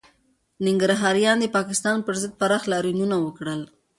ننګرهاریانو د پاکستان پر ضد پراخ لاریونونه وکړل